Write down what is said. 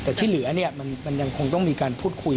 แต่ที่เหลือเนี่ยมันยังคงต้องมีการพูดคุย